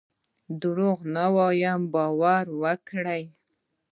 دروغ نه وایم باور وکړئ.